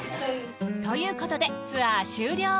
ということでツアー終了。